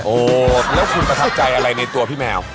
โอ้แล้วคุณประทับใจอะไรในตัวพี่แมว